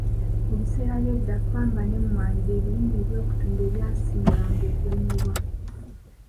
Mu biseera by’edda, ppamba n’emmwanyi bye birime eby’okutunda ebyasinga nga okulimibwa.